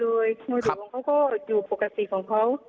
มือถือของเขาก็อยู่ปกติของเขา